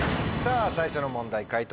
最初の問題解答